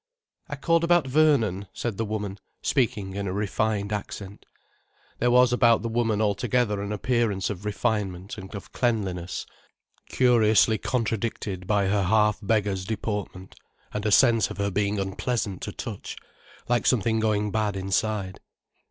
"I called about Vernon," said the woman, speaking in a refined accent. There was about the woman altogether an appearance of refinement and of cleanliness, curiously contradicted by her half beggar's deportment, and a sense of her being unpleasant to touch, like something going bad inside.